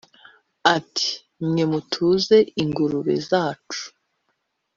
Ati: "Mwe mutunze ingurube zacu,